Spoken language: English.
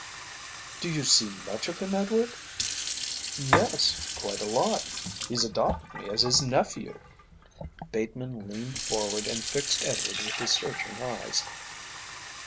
"Do you see much of him, Edward?" "Yes, quite a lot. He's adopted me as his nephew." Bateman leaned forward and fixed Edward with his searching eyes.